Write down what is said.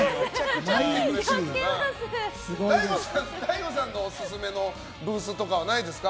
大悟さんのオススメのブースとかはないですか？